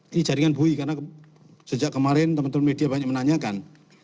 ini jaringan bui karena sejak kemarin teman teman media banyak menanyakan